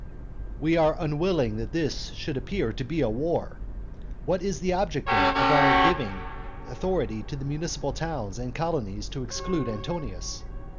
II. We are unwilling that this should appear to be a war. What is the object, then, of our giving authority to the municipal towns and colonies to exclude Antonius?